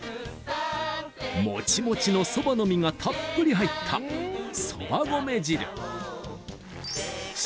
モチモチのそばの実がたっぷり入ったそば米汁